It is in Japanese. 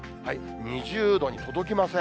２０度に届きません。